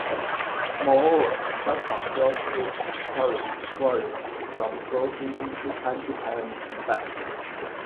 Moreover, Shaka felt it discouraged warriors from closing into hand-to-hand combat.